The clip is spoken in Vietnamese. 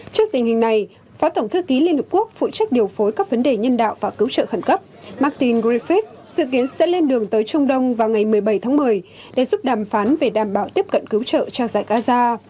trước tình hình này phó tổng thư ký liên hợp quốc phụ trách điều phối các vấn đề nhân đạo và cứu trợ khẩn cấp martin griffith dự kiến sẽ lên đường tới trung đông vào ngày một mươi bảy tháng một mươi để giúp đàm phán về đảm bảo tiếp cận cứu trợ cho giải gaza